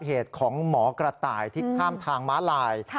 เหตุของหมอกระต่ายที่ข้ามทางม้าลาย